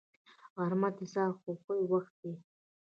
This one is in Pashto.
غرمه د ساده خوښیو وخت دی